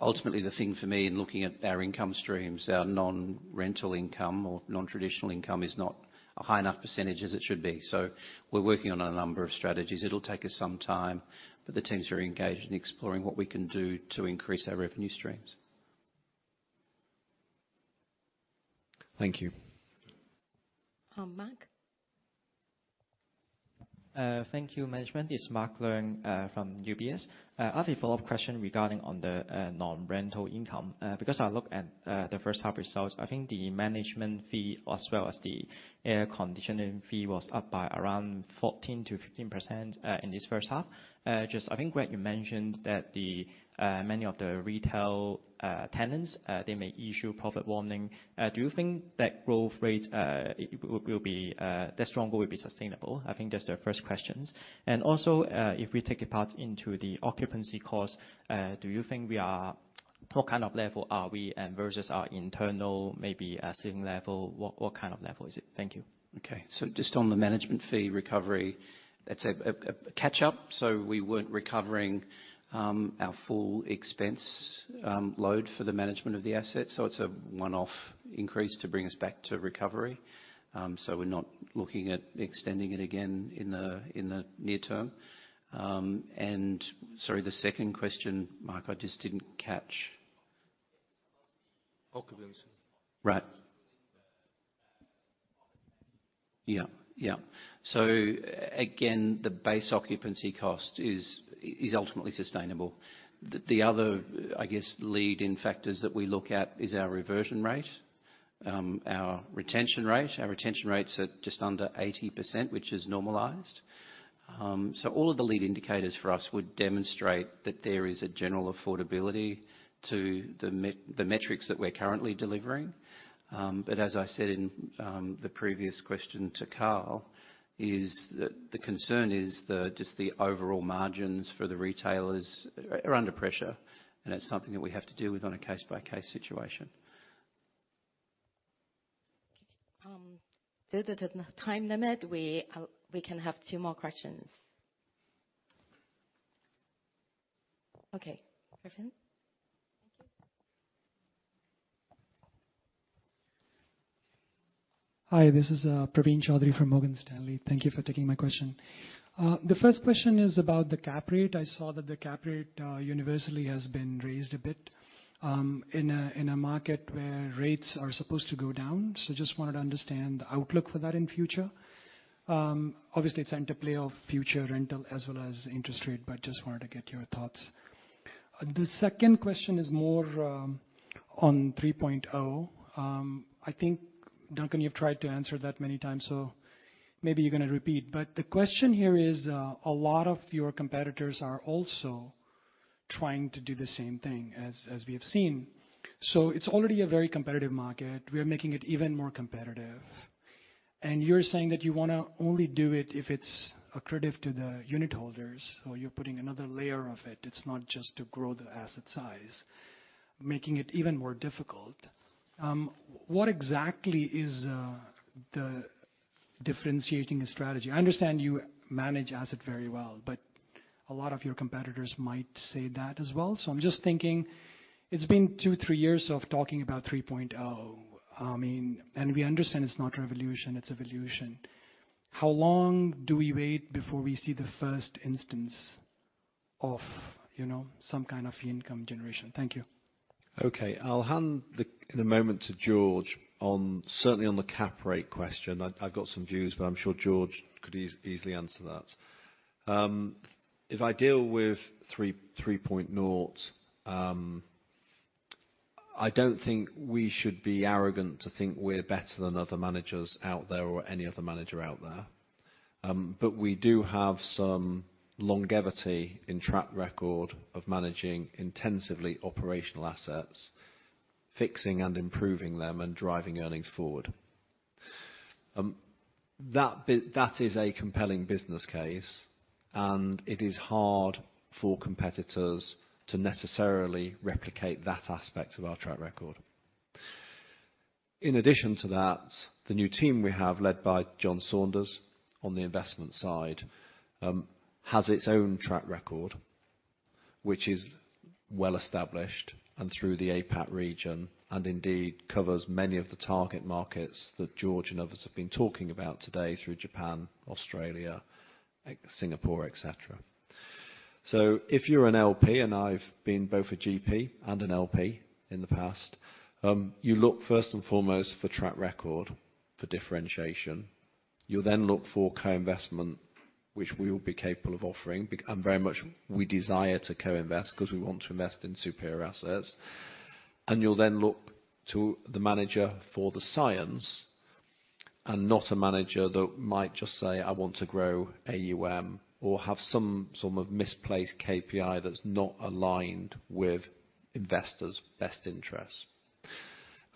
But ultimately, the thing for me in looking at our income streams, our non-rental income or non-traditional income is not a high enough percentage as it should be. So we're working on a number of strategies. It'll take us some time, but the teams are engaged in exploring what we can do to increase our revenue streams. Thank you. Mark. Thank you, Management. This is Mark Leung from UBS. I have a follow-up question regarding on the non-rental income. Because I look at the first half results, I think the management fee as well as the air conditioning fee was up by around 14%-15% in this first half. Just, I think Greg, you mentioned that many of the retail tenants, they may issue profit warning. Do you think that growth rate will be that strong or will be sustainable? I think that's the first questions. And also, if we take it part into the occupancy cost, do you think we are what kind of level are we versus our internal maybe ceiling level? What kind of level is it? Thank you. Okay. So just on the management fee recovery, that's a catch-up. So we weren't recovering our full expense load for the management of the assets. So it's a one-off increase to bring us back to recovery. So we're not looking at extending it again in the near term. And sorry, the second question, Mark, I just didn't catch. Occupancy. Right. Yeah. Yeah. So again, the base occupancy cost is ultimately sustainable. The other, I guess, lead-in factors that we look at is our reversion rate, our retention rate. Our retention rates are just under 80%, which is normalized. So all of the lead indicators for us would demonstrate that there is a general affordability to the metrics that we're currently delivering. But as I said in the previous question to Karl, the concern is just the overall margins for the retailers are under pressure, and it's something that we have to deal with on a case-by-case situation. Okay. Due to the time limit, we can have two more questions. Okay. Praveen. Thank you. Hi, this is Praveen Choudhury from Morgan Stanley. Thank you for taking my question. The first question is about the cap rate. I saw that the cap rate universally has been raised a bit in a market where rates are supposed to go down. So just wanted to understand the outlook for that in future. Obviously, it's interplay of future rental as well as interest rate, but just wanted to get your thoughts. The second question is more on 3.0. I think, Duncan, you've tried to answer that many times, so maybe you're going to repeat. But the question here is a lot of your competitors are also trying to do the same thing as we have seen. So it's already a very competitive market. We are making it even more competitive. And you're saying that you want to only do it if it's accretive to the unit holders, so you're putting another layer of it. It's not just to grow the asset size, making it even more difficult. What exactly is the differentiating strategy? I understand you manage assets very well, but a lot of your competitors might say that as well. So I'm just thinking it's been two, three years of talking about 3.0. I mean, and we understand it's not revolution, it's evolution. How long do we wait before we see the first instance of some kind of income generation? Thank you. Okay. I'll hand over to George especially on the cap rate question. I've got some views, but I'm sure George could easily answer that. If I deal with 3.0, I don't think we should be arrogant to think we're better than other managers out there or any other manager out there. But we do have some longevity in track record of managing intensively operational assets, fixing and improving them, and driving earnings forward. That is a compelling business case, and it is hard for competitors to necessarily replicate that aspect of our track record. In addition to that, the new team we have, led by John Saunders on the investment side, has its own track record, which is well established and through the APAC region, and indeed covers many of the target markets that George and others have been talking about today through Japan, Australia, Singapore, etc. So if you're an LP, and I've been both a GP and an LP in the past, you look first and foremost for track record for differentiation. You'll then look for co-investment, which we will be capable of offering. And very much we desire to co-invest because we want to invest in superior assets. And you'll then look to the manager for the science and not a manager that might just say, "I want to grow AUM or have some sort of misplaced KPI that's not aligned with investors' best interests."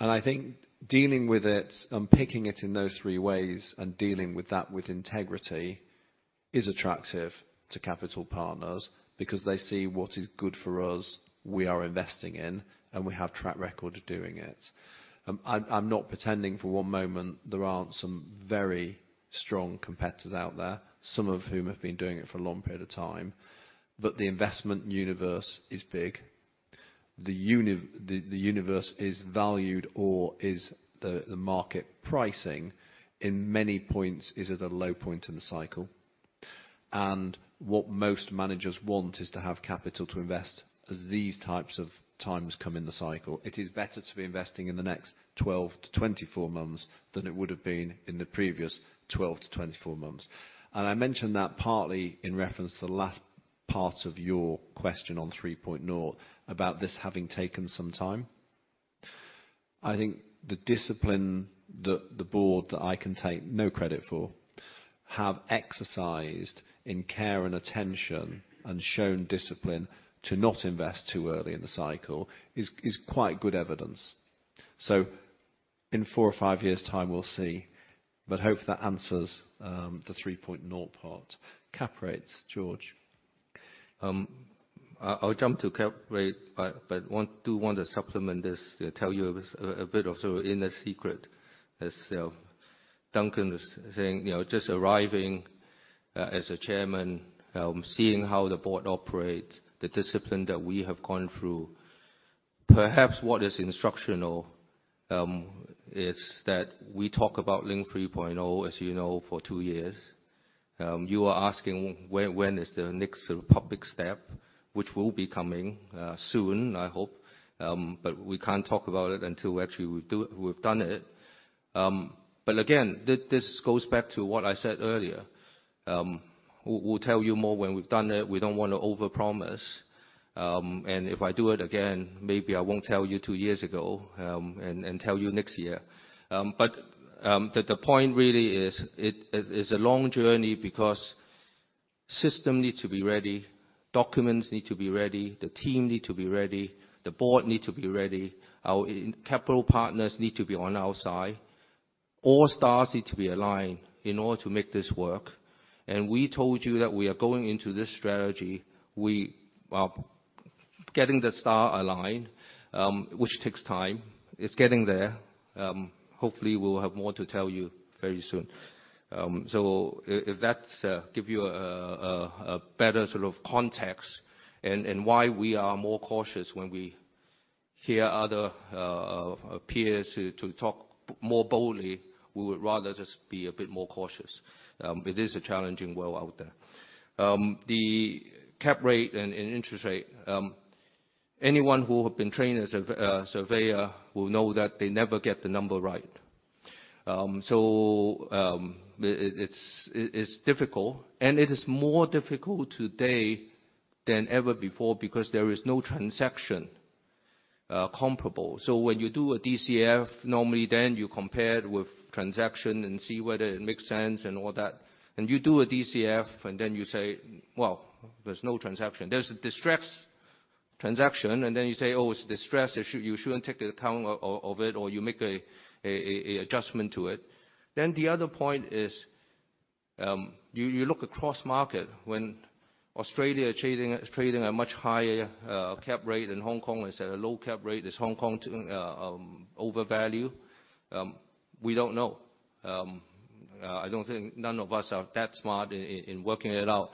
And I think dealing with it and picking it in those three ways and dealing with that with integrity is attractive to capital partners because they see what is good for us, we are investing in, and we have track record of doing it. I'm not pretending for one moment there aren't some very strong competitors out there, some of whom have been doing it for a long period of time, but the investment universe is big. The universe is valued or is the market pricing in many points is at a low point in the cycle. And what most managers want is to have capital to invest as these types of times come in the cycle. It is better to be investing in the next 12 to 24 months than it would have been in the previous 12 to 24 months. And I mentioned that partly in reference to the last part of your question on 3.0 about this having taken some time. I think the discipline that the board that I can take no credit for have exercised in care and attention and shown discipline to not invest too early in the cycle is quite good evidence. So in four or five years' time, we'll see. But hope that answers the 3.0 part. Cap rates, George. I'll jump to cap rate, but do want to supplement this, tell you a bit of inner secret. As Duncan was saying, just arriving as a chairman, seeing how the board operates, the discipline that we have gone through, perhaps what is instructional is that we talk about Link 3.0, as you know, for two years. You are asking when is the next sort of public step, which will be coming soon, I hope. But we can't talk about it until we've actually done it. But again, this goes back to what I said earlier. We'll tell you more when we've done it. We don't want to overpromise, and if I do it again, maybe I won't tell you two years ago and tell you next year, but the point really is it is a long journey because system needs to be ready, documents need to be ready, the team need to be ready, the board need to be ready. Our capital partners need to be on our side. All stars need to be aligned in order to make this work, and we told you that we are going into this strategy. We are getting the star aligned, which takes time. It's getting there. Hopefully, we'll have more to tell you very soon. So if that gives you a better sort of context and why we are more cautious when we hear other peers to talk more boldly, we would rather just be a bit more cautious. It is a challenging world out there. The cap rate and interest rate, anyone who has been trained as a surveyor will know that they never get the number right. So it's difficult. And it is more difficult today than ever before because there is no transaction comparable. So when you do a DCF, normally then you compare it with transaction and see whether it makes sense and all that. And you do a DCF and then you say, "Well, there's no transaction." There's a distressed transaction, and then you say, "Oh, it's distressed. You shouldn't take account of it," or you make an adjustment to it. Then the other point is you look across market. When Australia is trading a much higher cap rate and Hong Kong is at a low cap rate, is Hong Kong overvalued? We don't know. I don't think none of us are that smart in working it out.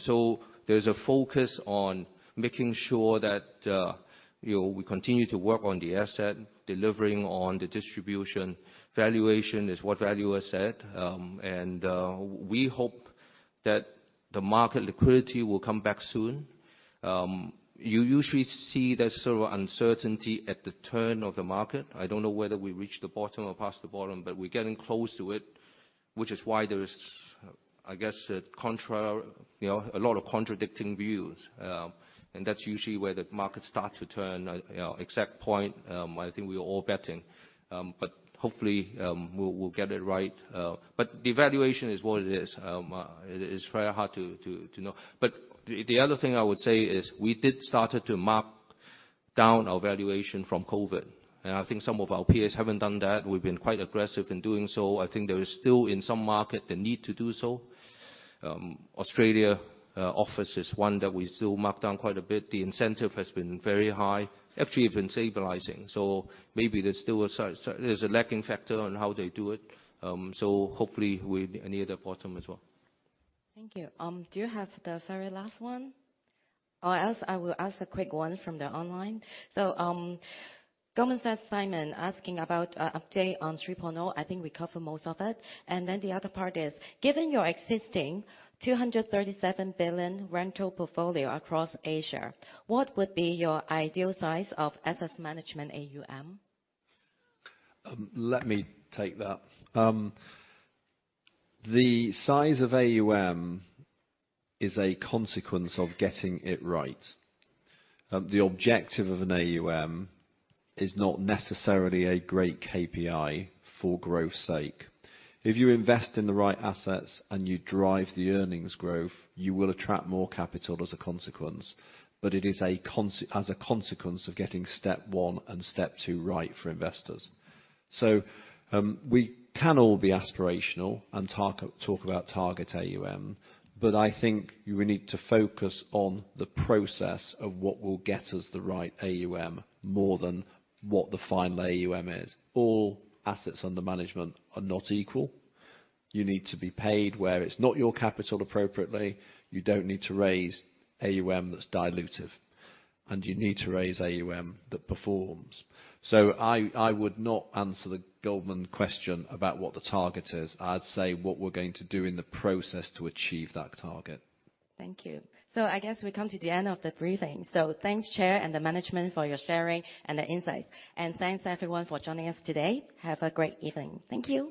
So there's a focus on making sure that we continue to work on the asset, delivering on the distribution. Valuation is what valuers said, and we hope that the market liquidity will come back soon. You usually see that sort of uncertainty at the turn of the market. I don't know whether we reached the bottom or past the bottom, but we're getting close to it, which is why there's, I guess, a lot of contradicting views, and that's usually where the market starts to turn. The exact point, I think we're all betting, but hopefully, we'll get it right, but the valuation is what it is. It is very hard to know. But the other thing I would say is we did start to mark down our valuation from COVID. And I think some of our peers haven't done that. We've been quite aggressive in doing so. I think there is still in some market the need to do so. Australia office is one that we still mark down quite a bit. The incentive has been very high. Actually, it's been stabilizing. So maybe there's still a lagging factor on how they do it. So hopefully, we're near the bottom as well. Thank you. Do you have the very last one? Or else I will ask a quick one from the online. So Goldman Sachs Simon asking about an update on 3.0. I think we covered most of it. Then the other part is, given your existing 237 billion rental portfolio across Asia, what would be your ideal size of asset management AUM? Let me take that. The size of AUM is a consequence of getting it right. The objective of an AUM is not necessarily a great KPI for growth's sake. If you invest in the right assets and you drive the earnings growth, you will attract more capital as a consequence. But it is as a consequence of getting step one and step two right for investors. So we can all be aspirational and talk about target AUM, but I think we need to focus on the process of what will get us the right AUM more than what the final AUM is. All assets under management are not equal. You need to be paid where it's not your capital appropriately. You don't need to raise AUM that's dilutive. And you need to raise AUM that performs. So I would not answer the Goldman question about what the target is. I'd say what we're going to do in the process to achieve that target. Thank you. So I guess we come to the end of the briefing. So thanks, Chair, and the management for your sharing and the insights. And thanks, everyone, for joining us today. Have a great evening. Thank you.